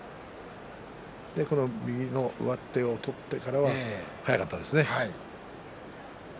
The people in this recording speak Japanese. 右の上手を取ってからは早かったですね。